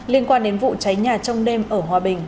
liên quan đến vụ cháy nhà trong đêm ở hòa bình